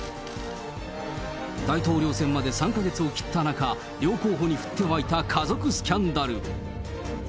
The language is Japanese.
大統領選まで３か月を切った中、両候補に降ってわいた家族スキャンダル。